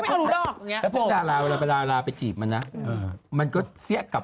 อ้อมเป็นเออแล้วพยายามถามอ้อมโลกโน้นอ้อมจะถามข้อถ้า